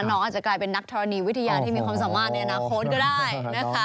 น้องอาจจะกลายเป็นนักธรณีวิทยาที่มีความสามารถในอนาคตก็ได้นะคะ